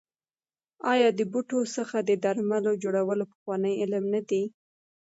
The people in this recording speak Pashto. آیا د بوټو څخه د درملو جوړول پخوانی علم نه دی؟